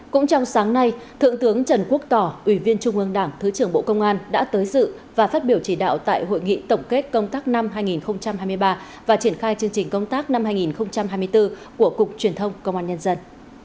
cũng trong sáng nay thượng tướng trần quốc tỏ ủy viên trung ương đảng thứ trưởng bộ công an đã tới dự và phát biểu chỉ đạo tại hội nghị tổng kết công tác năm hai nghìn hai mươi ba và triển khai chương trình công tác năm hai nghìn hai mươi bốn của cục truyền thông công an nhân dân